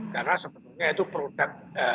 karena sebetulnya itu produk